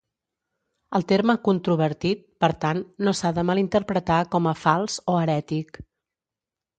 El terme "controvertit", per tant, no s'ha de malinterpretar com a "fals" o "herètic".